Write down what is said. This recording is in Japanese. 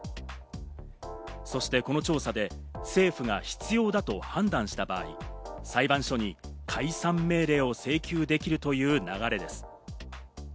そして、この調査で政府が必要だと判断した場合、裁判所に解散命令を請求できるという流れです。